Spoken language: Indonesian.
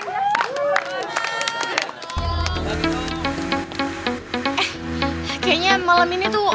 kayaknya malam ini tuh